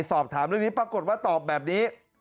สอบถามเรื่องนี้ปรากฏว่าตอบแบบนี้